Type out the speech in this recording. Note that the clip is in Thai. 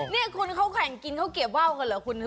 นี่คุณเขาแข่งกินเขาเกียรใจเปล่ากันหรอ